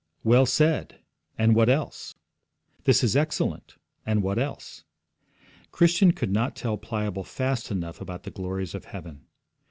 'Well said; and what else? This is excellent; and what else?' Christian could not tell Pliable fast enough about the glories of heaven.